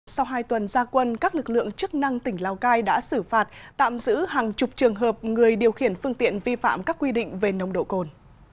sau hai tuần gia quân các lực lượng chức năng tỉnh lào cai đã xử phạt tạm giữ hàng chục trường hợp người điều khiển phương tiện vi phạm các quy định về nồng độ cồn